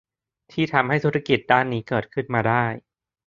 ที่ทำให้ธุรกิจด้านนี้เกิดขึ้นมาได้